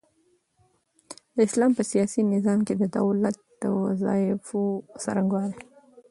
د اسلام په سياسي نظام کي د دولت د وظايفو څرنګوالي